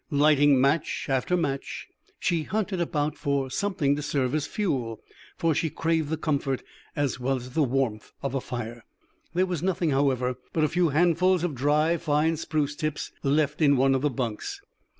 Lighting match after match, she hunted about for something to serve as fuel, for she craved the comfort, as well as the warmth of a fire. There was nothing, however, but a few handfuls of dry, fine spruce tips, left in one of the bunks.